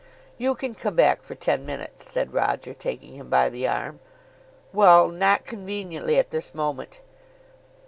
"You can come back for ten minutes," said Roger, taking him by the arm. "Well; not conveniently at this moment."